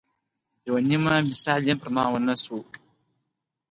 یوه نیمه بېلګه یې پر ما و نه لوروله.